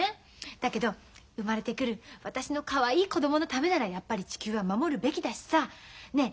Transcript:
だけど生まれてくる私のかわいい子供のためならやっぱり地球は守るべきだしさねえ